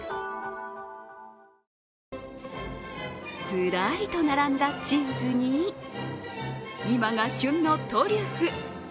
ずらりと並んだチーズに今が旬のトリュフ。